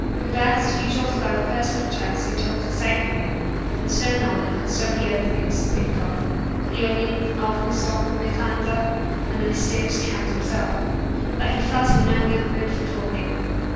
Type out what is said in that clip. Hubert's usual flow of pertinent chat seemed to have forsaken him, and Sir Norman had so many other things to think of Leoline, Ormiston, Miranda, and the mysterious count himself that he felt in no mood for talking.